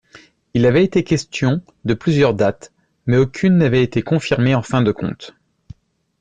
Il avait été question de plusieurs dates mais aucune n’avait été confirmée en fin de compte.